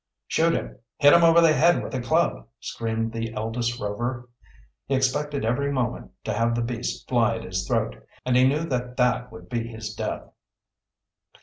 "Shoot him! Hit him over the head with a club!" screamed the eldest Rover. He expected every moment to have the beast fly at his throat, and he knew that that would be his death.